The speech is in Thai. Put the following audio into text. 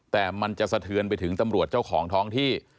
แต่มันจะสะเทือนไปถึงตำรวจเจ้าของท้องที่